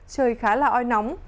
trời khá là oi nóng